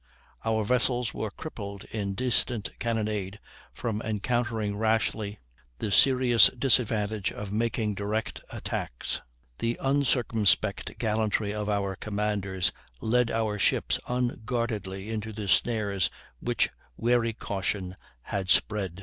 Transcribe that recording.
Our vessels were crippled in distant cannonade from encountering rashly the serious disadvantage of making direct attacks; the uncircumspect gallantry of our commanders led our ships unguardedly into the snares which wary caution had spread."